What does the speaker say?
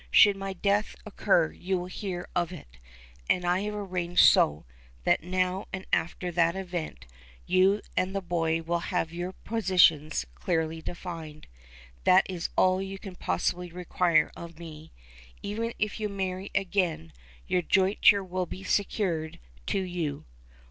Should my death occur you will hear of it. And I have arranged so, that now and after that event you and the boy will have your positions clearly defined. That is all you can possibly require of me. Even if you marry again your jointure will be secured to you."